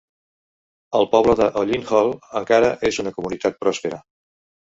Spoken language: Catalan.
El poble de Hollin Hall encara és una comunitat pròspera.